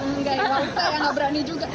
enggak ya enggak usah ya gak berani juga